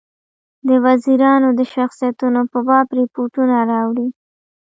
د وزیرانو د شخصیتونو په باب رپوټونه راوړي.